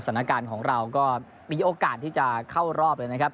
สถานการณ์ของเราก็มีโอกาสที่จะเข้ารอบเลยนะครับ